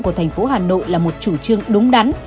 của thành phố hà nội là một chủ trương đúng đắn